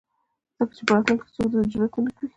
ځکه چې په راتلونکي ،کې څوک داسې جرات ونه کړي.